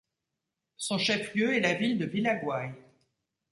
Son chef-lieu est la ville de Villaguay.